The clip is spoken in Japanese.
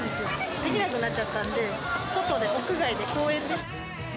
できなくなっちゃったんで、外で、屋外で、公園で。